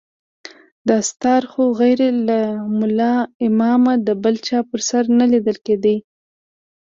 دستار خو غير له ملا امامه د بل چا پر سر نه ليدل کېده.